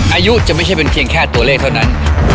อายุจะไม่ใช่เป็นเพียงแค่ตัวเลขเท่านั้น